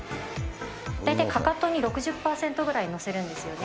大体かかとに６０％ぐらい乗せるんですよね。